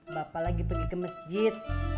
bapak lagi pergi ke masjid